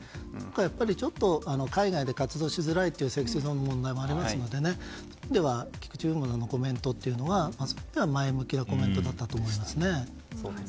やっぱり、ちょっと海外で活動しづらいというＳｅｘｙＺｏｎｅの問題もあるのでそういう意味では菊池風磨さんのコメントは前向きなコメントだったと思いますね。